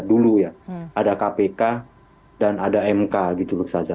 dulu ya ada kpk dan ada mk gitu loh saja